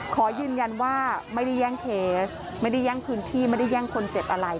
ขอยืนยันว่าไม่ได้แย่งเคสไม่ได้แย่งพื้นที่ไม่ได้แย่งคนเจ็บอะไร